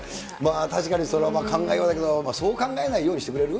確かに、それは考え様だけど、そう考えないようにしてくれる？